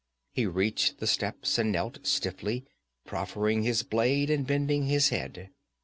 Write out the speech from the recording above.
He reached the steps and knelt stiffly, proffering his blade and bending his head.